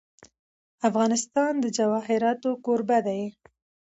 افغانستان د جواهرات کوربه دی.